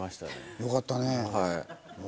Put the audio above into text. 「よかったね」。